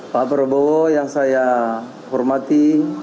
pak prabowo yang saya hormati